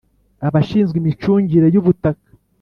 abashinzwe imicungire y ubutaka